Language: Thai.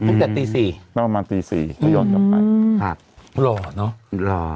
ตั้งแต่ตี๔ประมาณตี๔แล้วยอดกลับไปหรอเนาะหรอ